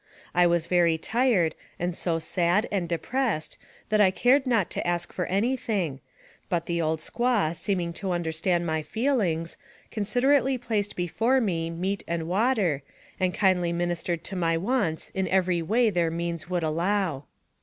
I was very tired, and so sad and AMONG THE SIOUX INDIANS. 169 depressed, that I cared not to ask for any thing, but the old squaw, seeming to understand my feelings, con siderately placed before me meat and water, and kindly ministered to my wants in every way their means would allow.